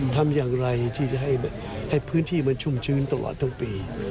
ทำอย่างไรที่จะให้พื้นที่มันชุ่มชื้นตลอดทั้งปี